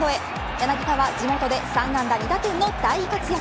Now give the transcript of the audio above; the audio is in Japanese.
柳田は地元で３安打２打点の大活躍。